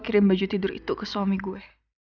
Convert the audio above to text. kirim baju tidur itu ke suami gue